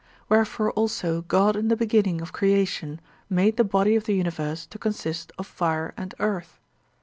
Wherefore also God in the beginning of creation made the body of the universe to consist of fire and earth.